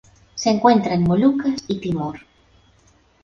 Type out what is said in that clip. Se encuentra en Molucas y Timor.